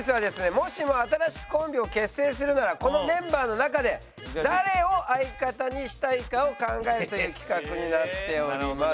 もしも新しくコンビを結成するならこのメンバーの中で誰を相方にしたいかを考えるという企画になっております。